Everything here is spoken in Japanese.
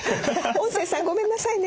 音声さんごめんなさいね。